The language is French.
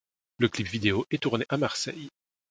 Le clip vidéo est tourné à Marseille.